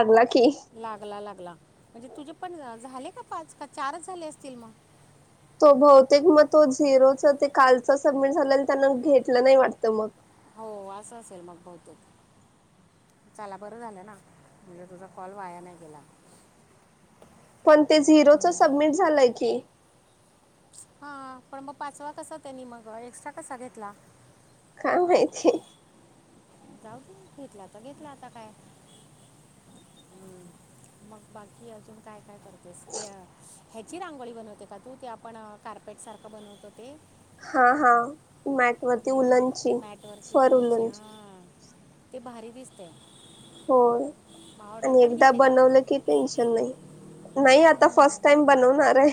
लागला की लागला लागला म्हणजे तुझे पण झाले का. पाच का चारच झाले असतील मग. तो बहुतेक मग तो झिरोचा ते कालच सबमिट झालं त्यांना घेतलं नाही वाटत मग. हो असं असेल मग बहुतेक. चला बरं झालं ना, म्हणजे तुझा कॉल वाया नाही गेला. पण ते झिरोच सबमिट झालंय की. हा पण मग पाचवा कसा त्यांनी मग एक्स्ट्रा कसा घेतला. काय माहिती. जाऊ घेतला तर घेतला आता काय. हम् मग बाकी अजून काय. काय करतेस ते ह्याची रांगोळी बनवते का तू ते आपण कार्पेटसारखं बनवतो ते. हा, हा, मॅट वरती उलनची मॅटवरची फर उलची उलनची. हां ते भारी दिसते. होय. ऑर्डर आणि पण एकदा घेते का बनवलं की टेन्शन नाही, नाही आता हम्म. फर्स्ट टाइम बनवणार हाय.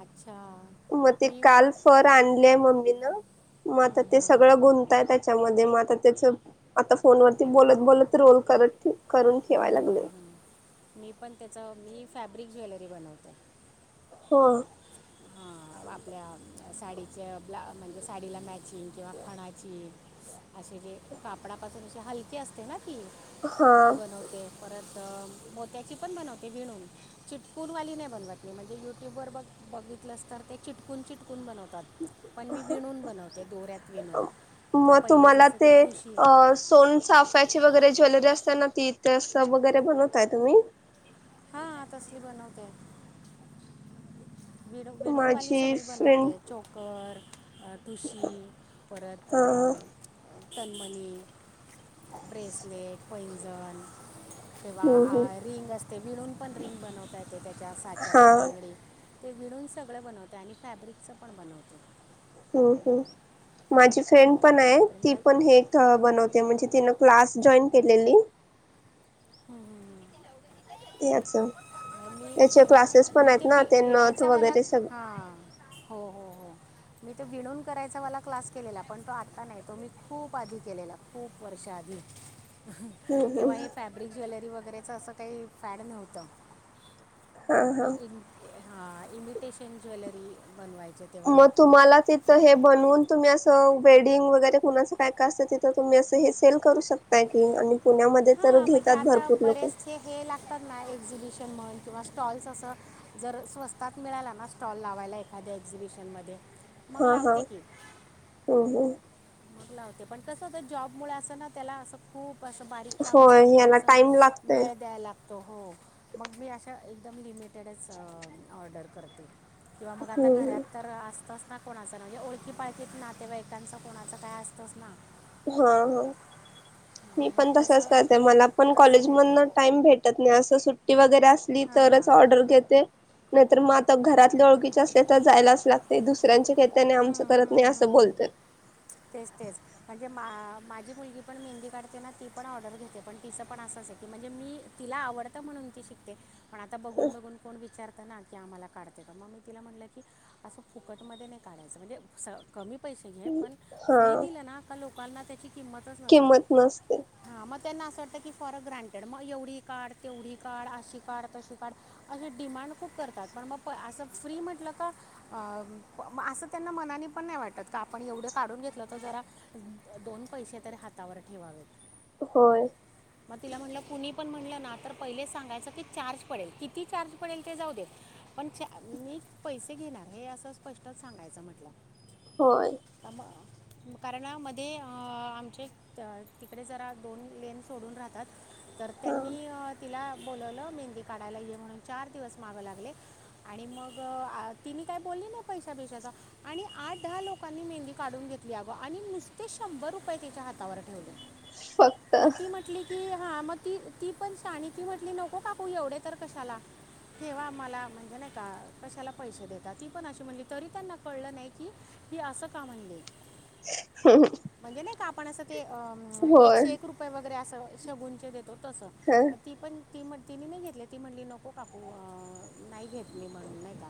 अच्छा मग ते मी हं, काल फर आणलेय मम्मीन. मग आता हं, ते हं. सगळं गुंताय त्याच्यामध्ये मग आता त्याच आता फोनवररती बोलत-बोलत. ते रोल करती. हम्म, हम्म, मी पण त्याच मी फॅब्रिक ज्वेलरी बनवते. हो. हा आपल्या साडीच्या ब्लाउ म्हणजे साडीला मॅचिंग किंवा खणाची. असे जे कापडापासून अशी हलकी असते ना ती हा ती बनवते परत. त. भोत्याची पण बनवते, विणून चिटकूनवाली नाही बनवत मी म्हणजे यूट्यूबवर बघ बघित. तर ते चिटकून चिटकून बनवतात, पण मी विणून बनवते दोऱ्यात विणून. म्हणजे मग पहिले तुम्हाला जसं ते ठुशी अ सोन चाफ्याचे वगैरे. ज्वेलरी असते ना ती तस वगैरे बनवताय तुम्ही. हा तसली बनवते. वि विणूनवाली माझी सगळी फ्रेंड बनवते चोकर. ठुशी परत हा अ. तनमनी, ब्रेसलेट, पैंजण. तेिव्हा हम्म आ हम्म रिंग असते विळून पण रिंग बनवता येते त्याच्या हा साच्यावर बांगडे. ते विणून सगळं बनवते आणि फॅब्रिकचं पण बनवते. ह् ह् माझी फ्रेंड पण आहे, ती पण हे बनवते. ते म्हणजे तिनं क्लास जॉईन केलेली. हम्म. ए अचछा. त्याचे क्लासेस मी पण मी आहेत ना वि ते नथ विणायचा वाला वगैरे सग. हां हो हो हो. मी तो भेणून करायचा वाला क्लास केलेला पण तो आता नाही, तो मी खूप आधी केलेला, खूप वर्षात. राजजू. हम् हम्.. ज्वेलरी वगैरेचं असं काही फॅड नव्हतं. हा हा. हा इमिटेशन ज्वेलरी बनवाय मग तुम्हाला तिथ हे बनून तुम्ही अस अ वेडिंग वगैरे कुणाचं काय काय असतं तिथं तुम्ही असं हे सेल करू शकताय की आणि पुण्यामध्ये तर हा म्हणजे घेतात आता भरपूर लोक. बरेच हे हे लागतात नाही. एक्झिबिशन म्हण किंवा स्टॉल्स असं जर स्वस्तात मिळाला ना स्टॉल लावायला एखाद्या एक्झिबिशन मध्ये हा हा हो हो. लावते पण कसं ग जॉबमुळे असं ना त्याला असं खूप खूप असं बारीक काम होय असतं खूप याला असं टाइम लागतय वेळ द्यायला लागतं. तो हो मग मी अशा एकदम लिमिटेडच अ ऑर्डर कर किंवा मग आता घरात हम्म तर असतच ना कोणाच म्हणजे ओळखी पाळखीत नातेवाईकांचा कोणाचं काय असतंच ना. हा हा. हा, मी मग पण तसच तसं करते मला पण तसं कॉलेज देते मध टाइम भेटत नाही अस सुट्टी वगैरे असली हां तरच ऑर्डर घेते. नाहीतर मग आता घरातले ओळखीचे असले तर जायलाच लागते दुसऱ्यांचे घेत त्याने आमचं हम्म, करत नाही हम्म, असं बोलते. [inaudible] तेच तेच म्हणजे मा माझी मुलगी पण मेहंदी काढते ना ती पण ऑर्डर घेते पण तिचं पण असं म्हणजे मी तिला आवडत म्हणून ती शिकते पण आता बघून बघून कोण विचार की आम्हाला काढते मग मी तिला म्हटलं की असं फुकट मध्ये नही काढायचं म्हणजे स कमी पैसे घे पण हा फ्री दिलना पण लोकांना त्याची किंमतच नसते किंमत नसते हाम तेना असं वाटतं की फॉर अ ग्रँटेंड मग एवढी काढ तेवढी काढ अशी काढ तशी काढ अशी डिमांड. खूप करतात पण मग असं फ्री म्हटलं का अ म असं त्यांना मनानी पण नाही वाटत. त आपण एवढे काढून घेतलं तर जरा दोन पैसे तरी हातावर ठेवावेत. होय. मग तिला म्हटलं कुणी पण म्हटलं ना तर पहिलेच सांगायचं की चार्ज पडेल किती चार्ज पडेल ते जाऊ दे. पण ते मी पैसे घेणार हे असं स्पष्ट सांगायचं म्हटलं. होय कमग. कारणामध्ये आमचे तिकडे जरा दोन लेन सोडून राहतात. तर हा त्यांनी अ तिला बोलवलं मेहंदी काढायला ये म्हणून चार दिवस मागं लागले आणि मग तिने काय बोल मी नाही पैसाबैसा जा आणि आठ दहा लोकांनी मेहंदी काढून घेत याव आणि नुसते शंभर रुपये तीच्या हातावर ठेवले फक्त मग ती म्हटली की अ हा मग ती ती पण शहानी ती म्हटली नको काकू एवढे तर कशाला. ठेव्हा आम्हाला म्हणजे नाही का कशाला पैसे देता ती पण अशी म्हणली तरी त्यांना कळलं नाही की की असं का म्हणले. म्हणजे नाही का आपण असं ते अ होय एकशे एक रुपये वगैरे अस शेगुणचे देतो तसं ह मग ती पण ती म तिने नाही घेतले ती म्हणली नको काकू नाही घेत म म्हणून नाही का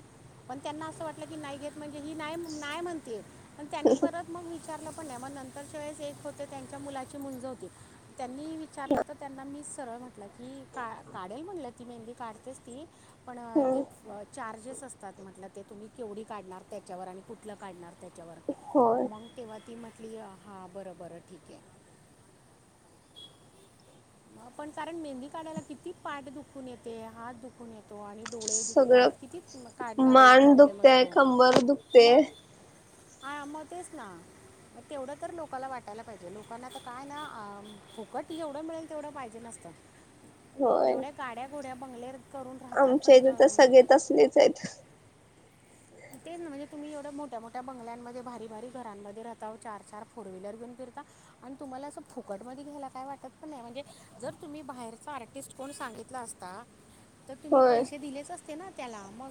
पण त्यांना असं वाटलं की नाही घेत म्हणजे ही नाही नाही म्हणते त त्यांनी परत मग विचारलं पण नाही मग नंतरच्या वेळेस एक होते त्यांच्या मुलाची मुंज होती. त्यांनी विचारलं तर त्यांना मी सरळ म्हटलं की का काढेल म्हटलं ती मेनली काढतेच ती पण ते चार्जेस असतात म्हटलं ते तुम्ही केवढी काढणार त्याच्यावर आणि कुठलं काढणार त्याच्यावर होय मग केव्हा ती म क्लिअर हां बरं बरं ठीक आहे. म पण कारण मेहंदी काढायला किती पाट दुखून येते हात दुखून येतो आणि डोळे सगळं दुखतात किती काढणाऱ्याला मान प्रॉब्लेम दुखतेय असतो कंबर दुखते मग आ मग तेच ना. मग तेवढं तर लोकांला वाटायला पाहिजे लोकांना तर काय ना फुकट ही एवढं मिळेल तेवढं पाहिजे नसतं होय एवढ्या काड्या घुड्या बंगलेर आमच्या इथे तर सगळेच असलेच आहेत तेच ना म्हणजे तुम्ही एवढ्या मोठ्या मोठ्या बंगल्यांमध्ये भारी भारी घरांमध्ये राह चार चार फोर व्हीलर घेऊन फिरता आणि तुम् मला असं फुकट मध्ये घ्यायलाय वाटत पण नाही म्हणजे जर तुम्ही बाहेरचा आर्टिस्ट कोण सांगितला असता तर तुम्ही होय पैसे दिलेच असते ना त्यालामग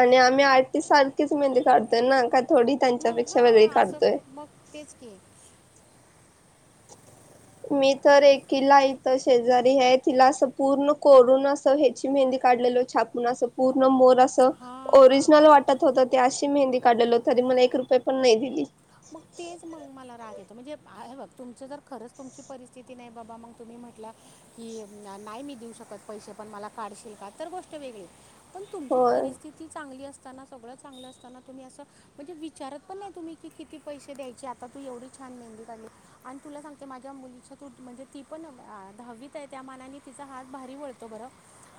आणि आम्ही आठतीस सारखीच मेहंदी काढतोय ना थोडी मग ह त्यांच्यापेक्षा वेगळी असं काढतोय मग तेच की मी तर एकीला इथच शेजारी आहे तिला अस पूर्ण करून अस ह्याची मेहंदी काढलेल छापून असं पूर्ण नमोर अस हां ओरिजनल वाटत होतं त्या अशी मेहंदी काढल तरी मला एक रुपये पण नाही दिली मग तेच मग मला राग येत म्हणजे फार अस तुमचं जर खरंच तुमची परिस्थिती नाही बाबा मग तुम्ही म्हट की नाही मी देऊ शकत पैसे पण मला काढशील का तर गोष्ट वेगळी पण तुमची होय परिस्थिती चांगली असताना सगळं चांगलं असताना तुम्ही असं म्हणजे विचारत पण नाही तुम्ही की किती पैसे द्यायचे आता तू एवढी छान मेहंदी काढली आणि तुला सांगते माझ्या मुलीच्या तू म्हणजे ती पण धावीत आहे त्या मानाने तिचा हात भारी वळतो बरं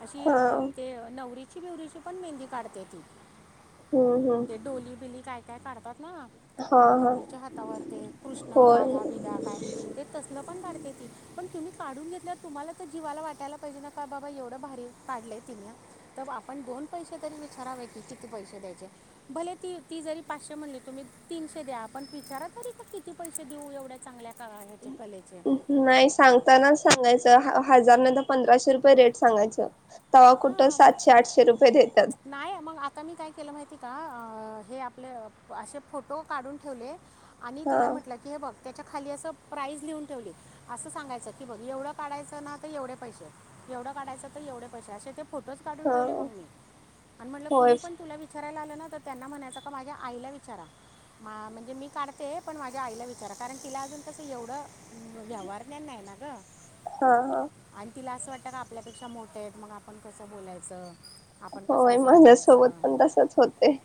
अशी हा अ ते नवरीची बिवरीची पण मेहंदी काढते ती हम्म ते हम्म डोली बिली काय काय काढतात ना अ हा हा नवरीच्या हातावर ते कृष्ण होय राधा विधा काय ते तसल पण काढते ती पण तुम्ही काढून घेतल्या तुम्हाला तर जीवाला वाटयला पाहिजे ना का बाबा एवढं भारी काढलंय तिने त आपण दोन पैसे तरी विचारावे की किती पैसे द्यायचे भले ती ती जरी पाचशे म्हणली तुम्ही तीनशे द्या आपण बिचारा तरी का किती पैसे देऊ एवढ्या चांगल्या का ह ते नाही सांगतानाच सांगायचं ह हजार नाहीतर पंधराशे रुपये रेट सांगायच तवा कुठ हां सातशे आठशे रुपये देतात नाही मग आता मी काय केलं माहिती आता हे आपले असे फोटो काढून ठेवले आणि हा तिला म्हटलं की हे बघ त्याच्या खाली असं प्राईज लिहून ठेवले असं सांगायचं की बघ एवढं काढायचं ना तर एवढे पैसे एवढं काढायचं तर एवढे पैसे असे ते फोटोच काढून हा ठेवले मग मी आणि म्हटलं होय कुणी पण तुला विचारायला आलं ना तर त्यांना म्हणायचं का माझ्या आईला विचारा म्हणजे मी काढते पण माझ्या आईला विचारा कारण तिला अजून तसं एवढं व्यवहारण्या नाही ना ग हा हा आणि तिला असं वाटत का आपल्यापेक्षा मोठे आहेत मग आपण कसं बोलायचं आपण कसं होय असं माझ्यासोबत म्हणायचं पण तसच होते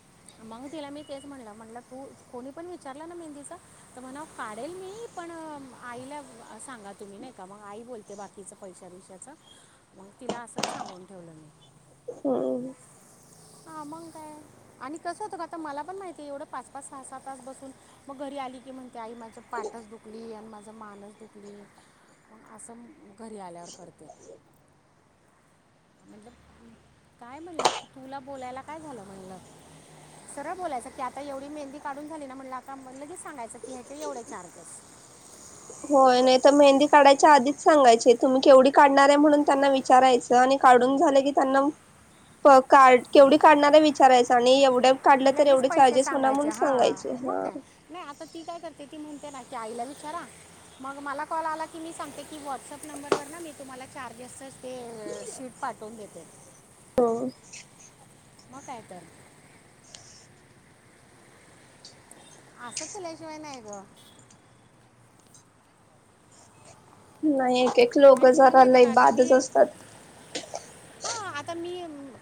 मग तिला मी तेच म्हणलं म्हटलं तू कोणी पण विचारलं ना मेहंदीचां तर म्हणा काढेल मी पण आईला सांगा तुम्ही नाही का मग आई बोलते बाकीचं पैशा रिशाचं.. मग तिला असंच सांगून ठेवलं मी. हा. ह. हा मग काय आणि कसं होतं का आता मला पण माहिती आहे एवढं पाच पाच सहा सहा तास बसून मग घरी आली की! म्हणते आई माझं पाठच दुखली आणि माझं मानच दुखली असं.. घरी आल्यावर करते. म्हण.. काय म्हणलं तुला बोलायला काय झालं म्हणलं. सरळ बोलायचं की आता एवढी मेहंदी काढून झाली ना म्हणला आग लेच सांगायचं की ह्याचे एवढे चार्जेस. ह.. होय नाही तर मेहंदी काढायच्या आधीच सांगायचे तुम्ही केवढी काढणार आहे म्हणून त्यांना विचारायचं आणि.. काढून झाले की त्यांना का केवढी काढणारे विचारायच आणि एवढे.. काढलं तर लगेच पैसे चार्जेस होणार सांगायचे म्हणून हा सांगायचे मग हा काय नाही आता ती काय करते ती म्हणते.. ते आईला वि खरा.. मग मला कॉल आला की मी सांगते की व्हॉट्सअप नंबरवर ना मी तुम्हाला चार्जेस.. ते शीट पाठवून देते. हो मग काय तर. असं तल्याशिवाय नाही ग. नाही आणि लोकजारला एक बादच असतात. [inaudible] ह आता मी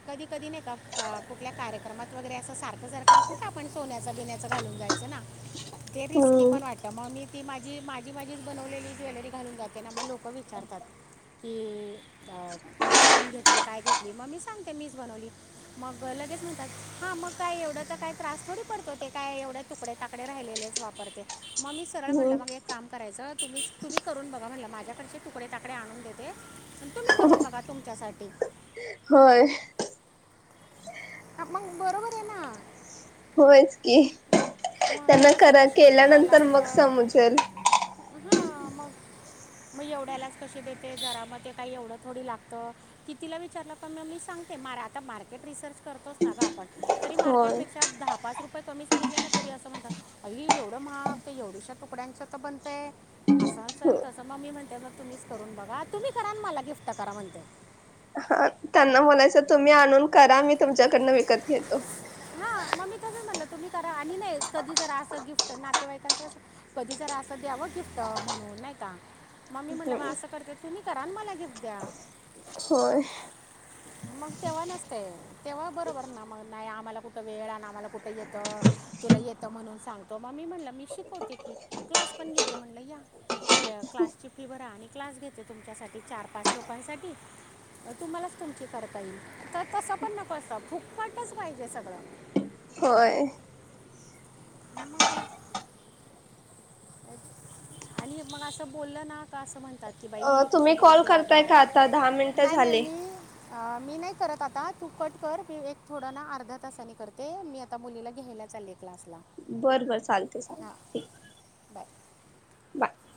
कधी कधी नाही का कुठल्या कार्यक्रमात वगैरे असं सारखं सारखं कुठं आपण स.. पुण्याचा बिण्याचा घालून जायचं ना. ते रिस्की हम्म पण वाटत मग मी ती माझी माझी माझीच बनवलेली ज्वेलरी घालून जाते. ना मग लोक.. करारतात. की कुठून घेतली काय घेतली मग मी सांगते मीच बनवली मग गल.. ेच म्हणतात हा मग काय एवढा तर काय त्रास थोडी पडतो ते काय एवढे तुकडे ताकडे राहिलेलेच वापरते. मग मी सरळ हम्म म्हटलं मग एक काम करायचं तुम् तुम्ही करून बघा म्हणलं माझ्याकडचे.. तुकडे तकडे आणून देते तुम्ही करून बघा तुमच्यासाठी. होय. अ मग बरोबर आहे ना! होयच. कि मग त्यांना त्याला खरा फिनिशिंग करायला केल्यानंतर मग समजेल. हा आमा. मग एवढ्यालाच कशी देते जरामध्ये काही एवढं थोडी लागतं कितीला विचारलं प मी मी सांग.. मर् करतो मार्ेटे.. होय क मी सांगितलं ना तरी असं म्हणतात अर एवढं महा तर एवढंशा तुकड्यांचं तर बनतं आहे असं.. तसं मग मी म्हणते मग तुम्हीच करून बघा तुम्ही करा मला गिफ्ट करा म्हणते. हा त्यांना बलायचं तुम्ही आणून करा मी तुमच्याकडनं विकत घेतो. हा मग मी तस म्हणलं तुम्ही करा आणि नाही कधी जरा असं गिफ्ट नातेवाईकांच अस कधी जरा.. असं द्यावं गिफ्ट म्हणून नाही का. मम्मी म्हटलं बा हम्म असं करते तुम्ही करा मला गिफ्ट द्या. हो. मग तेव्हा नसते तेव्हा बरोबर ना मग नाही आम्हाला.. कुठ वेळ आण मला कुठ येत तुला येत म्हणून सांगतो मी म्हणलं मी शिकवते की्! पण घेते म्हणल या. प क्लासची फी बरा आणि क्लास घेते तुमच्यासाठी चार पाच लोकांसाठी.. तुम्हालाच तुमची करता येईल तर तसा पण नको असता फुकपट्टच पाहिजे सगळ.. होय. मम का! आणि मग असं बोललं ना का असं म्हणतात.. कि अ बाई कशे तुम्ही कॉल बोलते करताय का आता दहा आगव मिनिटं नाई नाई झाले. मी मी नाई करत आता तू कट कर मी एक थोडं ना अर्धा तासानी करते मी आता मुलीला घ्यायला चाल्लेय क्लासला बर बर चालतेय हां चालतेय बाय ठीके बाय